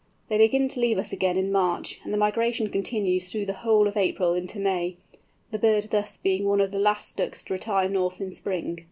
They begin to leave us again in March, and the migration continues through the whole of April into May, the bird thus being one of the last Ducks to retire north in spring.